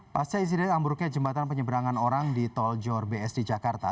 pasca insiden ambruknya jembatan penyeberangan orang di tol jor bsd jakarta